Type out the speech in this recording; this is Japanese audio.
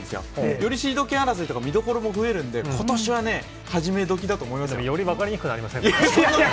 よりシード権争いとか、見どころも増えるんで、ことしはね、より分かりにくくなりません？